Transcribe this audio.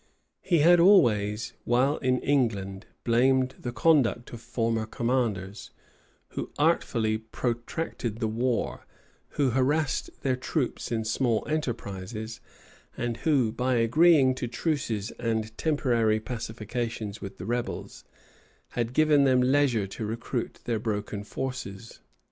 He had always, while in England, blamed the conduct of former commanders, who artfully protracted the war, who harassed their troops in small enterprises, and who, by agreeing to truces and temporary pacifications with the rebels, had given them leisure to recruit their broken forces.